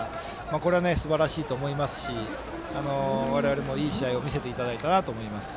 これはすばらしいと思いますし我々も、いい試合を見せていただいたと思います。